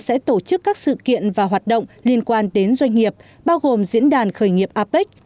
sẽ tổ chức các sự kiện và hoạt động liên quan đến doanh nghiệp bao gồm diễn đàn khởi nghiệp apec